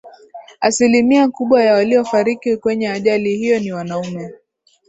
asilimia kubwa ya waliyofariki kwenye ajali hiyo ni wanaume